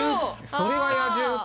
それは野獣か。